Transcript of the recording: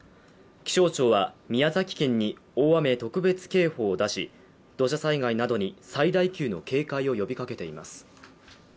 気象庁は宮崎県に大雨特別警報を出し土砂災害などに最大級の警戒を呼びかけています